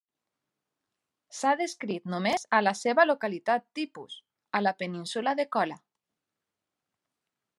S'ha descrit només a la seva localitat tipus, a la Península de Kola.